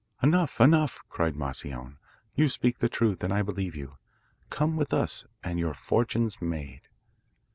'Enough, enough,' cried Moscione. 'You speak the truth, and I believe you. Come with us, and your fortune's made.